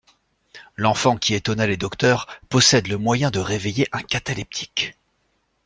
L'enfant qui étonna les docteurs possède le moyen de réveiller un cataleptique.